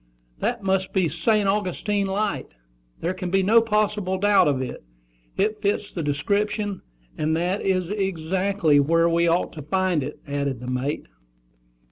'" "That must be St. Augustine Light: there can be no possible doubt of it. It fits the description; and that is exactly where we ought to find it," added the mate.